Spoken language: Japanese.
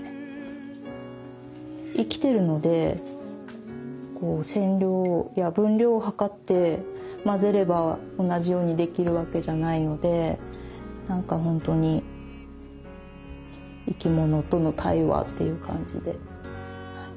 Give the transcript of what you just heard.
生きてるので染料や分量をはかって混ぜれば同じようにできるわけじゃないので何かほんとに生き物との対話っていう感じで。